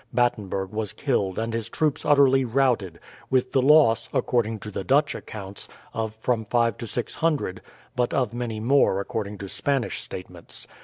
Batenburg was killed and his troops utterly routed, with the loss, according to the Dutch accounts, of from five to six hundred, but of many more according to Spanish statements.